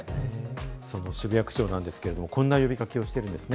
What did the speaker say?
その渋谷区長ですが、こんな呼び掛けをしています。